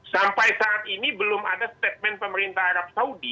sampai saat ini belum ada statement pemerintah arab saudi